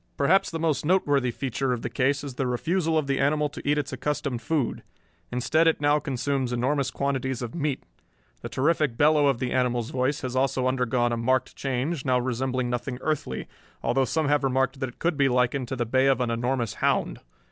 Perhaps the most noteworthy feature of the case is the refusal of the animal to eat its accustomed food. Instead it now consumes enormous quantities of meat. The terrific bellow of the animal's voice has also undergone a marked change, now resembling nothing earthly, although some have remarked that it could be likened to the bay of an enormous hound.